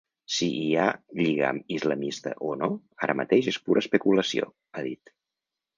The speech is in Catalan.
Si hi ha lligam islamista o no, ara mateix és pura especulació, ha dit.